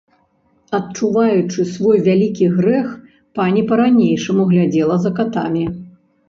Адчуваючы свой вялікі грэх, пані па-ранейшаму глядзела за катамі.